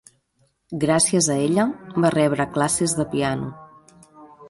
Gràcies a ella, va rebre classes de piano.